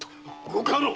ご家老！